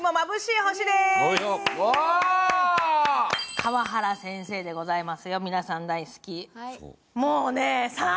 河原先生でございますよ、皆さん大好き。